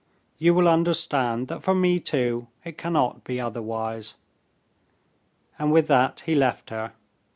You will understand that for me, too, it cannot be otherwise." And with that he left her.